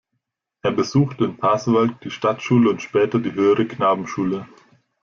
Er besuchte in Pasewalk die Stadtschule und später die Höhere Knabenschule.